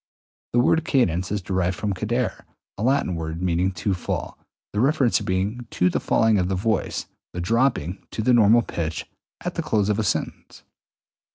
The word cadence is derived from cadere, a Latin word meaning to fall, the reference being to the falling of the voice (i.e., the dropping to the normal pitch) at the close of a sentence.